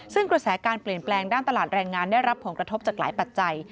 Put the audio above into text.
ซึ่งกระแสการเปลี่ยนแปลงด้านตลาดแรงงานได้รับผลกระทบจากหลายปัจจัย